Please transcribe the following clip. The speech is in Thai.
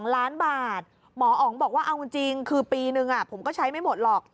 ๒ล้านบาทหมออ๋องบอกว่าเอาจริงคือปีนึงผมก็ใช้ไม่หมดหรอก